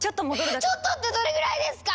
ちょっとってどれぐらいですか！